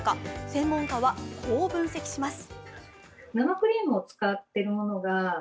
専門家はこう分析します。